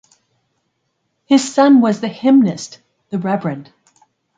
His son was the hymnist The Rev.